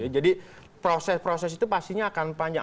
jadi proses proses itu pastinya akan panjang